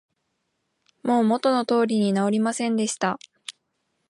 もう元の通りに直りませんでした